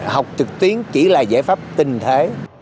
học trực tuyến chỉ là giải pháp tình thế